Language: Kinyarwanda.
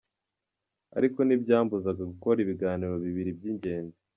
Ariko ntibyambuzaga gukora ibiganiro bibiri by’ingezi.